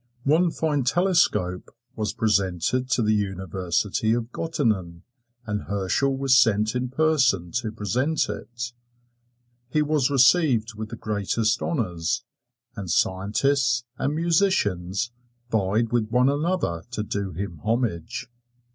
One fine telescope was presented to the University of Gottingen, and Herschel was sent in person to present it. He was received with the greatest honors, and scientists and musicians vied with one another to do him homage.